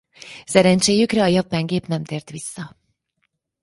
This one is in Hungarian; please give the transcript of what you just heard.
Szerencséjükre a japán gép nem tért vissza.